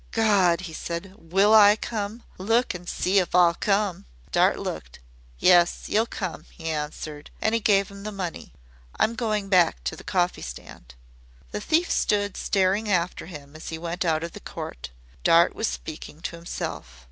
"God!" he said. "Will I come? Look and see if I'll come." Dart looked. "Yes, you'll come," he answered, and he gave him the money. "I 'm going back to the coffee stand." The thief stood staring after him as he went out of the court. Dart was speaking to himself.